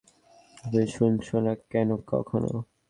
তুই শোনছ না কেন কখনও!